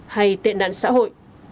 hay tệ nạn xã hội